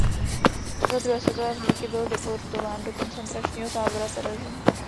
Za druhé světové války byl deportován do koncentračního tábora Terezín.